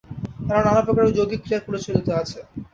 আরও নানাপ্রকার যৌগিক ক্রিয়া প্রচলিত আছে।